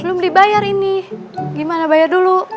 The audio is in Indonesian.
belum dibayar ini gimana bayar dulu